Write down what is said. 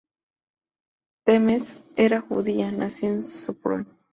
Temes, era judía, nació en Sopron.